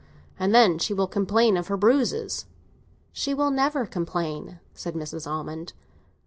And then she will complain of her bruises." "She will never complain," said Mrs. Almond.